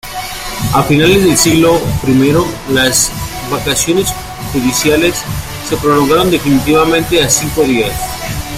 A finales del siglo I, las vacaciones judiciales se prolongaron definitivamente a cinco días.